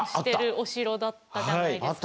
お城だったじゃないですか。